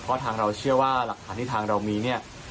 เพราะทางเราเชื่อว่าหลักฐานที่มี